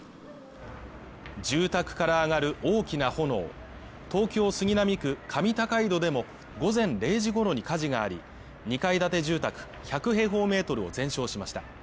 住宅から上がる大きな炎東京杉並区上高井戸でも午前０時ごろに火事があり、２階建て住宅１００平方メートルを全焼しました。